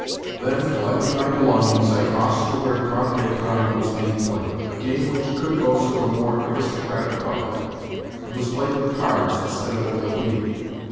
Then, collecting my belongings, I crossed to where trente et quarante was being played—a game which could boast of a more aristocratic public, and was played with cards instead of with a wheel.